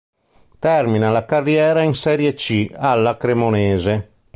Termina la carriera in Serie C alla Cremonese.